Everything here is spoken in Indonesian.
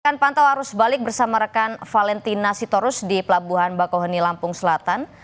akan pantau arus balik bersama rekan valentina sitorus di pelabuhan bakauheni lampung selatan